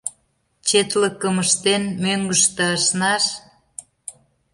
Четлыкым ыштен, мӧҥгыштӧ ашнаш?